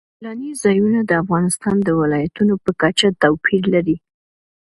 سیلانی ځایونه د افغانستان د ولایاتو په کچه توپیر لري.